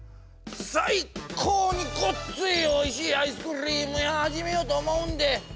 さいこうにごっついおいしいアイスクリームやはじめようとおもうんで。